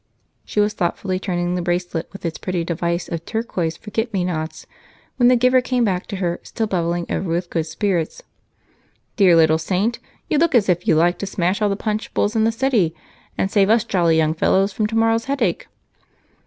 She was thoughtfully turning the bracelet, with its pretty device of turquoise forget me nots, when the giver came back to her, still bubbling over with good spirits. "Dear little saint, you look as if you'd like to smash all the punch bowls in the city, and save us jolly young fellows from tomorrow's headache."